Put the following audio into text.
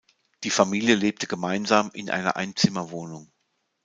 Die Familie lebte gemeinsam in einer Einzimmerwohnung.